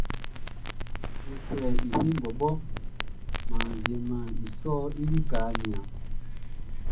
N fɛ, mi fieʼn bɔbɔʼn, mʼan wiemɛn i sɔʼn i lika nianlɛ.